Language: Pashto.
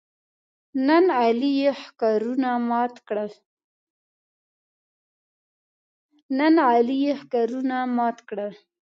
نن علي یې ښکرونه مات کړل.